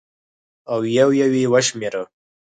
او یو یو یې وشمېره